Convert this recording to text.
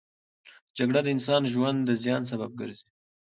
جګړه د انساني ژوند د زیان سبب ګرځي.